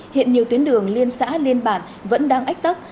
hiện nhiều tuyến đường liên xã liên bản vẫn đang ách tắc